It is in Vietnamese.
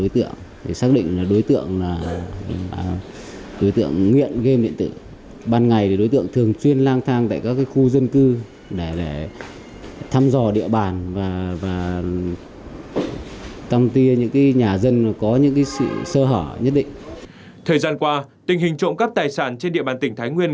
thời gian qua tình hình trộm cắp tài sản trên địa bàn tỉnh thái nguyên